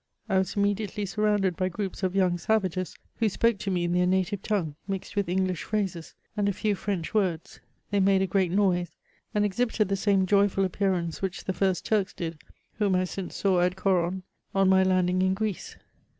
I was imme diately Burromided by groups of young savages, who spoke to me in their native tongue, mixed with English phrases, and a few French words ; they made a great noise, and exhibited the same joyfiil appearance which the first Turks did whom I since saw at Coron, on my landing in Greece.